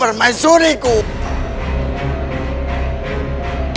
aku sudah punya kekasih